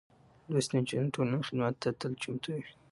لوستې نجونې د ټولنې خدمت ته تل چمتو وي.